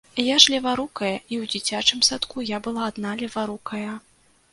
Я ж леварукая, і ў дзіцячым садку я была адна леварукая.